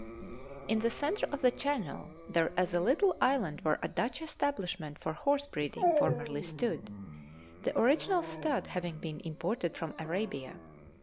In the centre of the channel there is a little island where a Dutch establishment for horse breeding formerly stood, the original stud having been imported from Arabia.